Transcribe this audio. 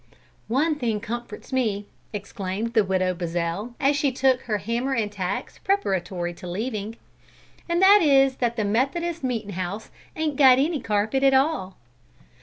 "One thing comforts me," exclaimed the Widow Buzzell, as she took her hammer and tacks preparatory to leaving; "and that is that the Methodist meetin' house ain't got any carpet at all."